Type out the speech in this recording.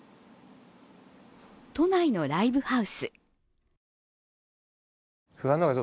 都内のライブハウス。